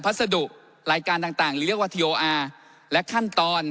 พัสดุรายการต่างหรือเรียกว่าทีโออาร์และขั้นตอน